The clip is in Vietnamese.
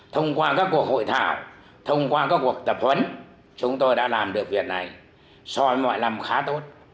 thông qua các cuộc hội thảo thông qua các cuộc tập huấn chúng tôi đã làm được việc này so với mọi năm khá tốt